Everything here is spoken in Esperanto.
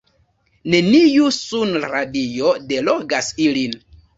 Neniu sunradio delogas ilin.